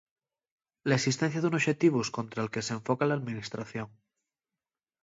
La esistencia d'un oxetivu escontra'l que s'enfoca l'alministración.